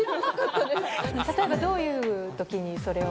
例えばどういうときにそれを。